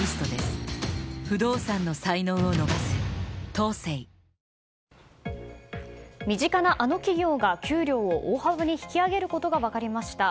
東京海上日動身近なあの企業が給料を大幅に引き上げることが分かりました。